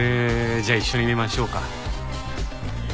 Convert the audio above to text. じゃあ一緒に見ましょうか。